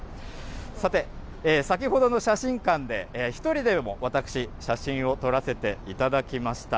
さて、先ほどの写真館で、１人でも私、写真を撮らせていただきました。